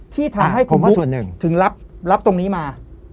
ที่ทำให้ถึงรับตรงนี้มา